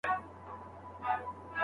شاګرد تل د استاد له تجربو ګټه پورته کوي.